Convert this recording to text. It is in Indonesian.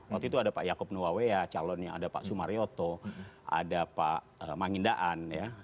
waktu itu ada pak yaakob nuawea calonnya ada pak sumaryoto ada pak mangindaan ya